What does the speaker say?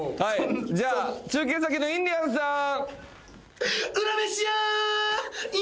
じゃあ中継先のインディアンスさーん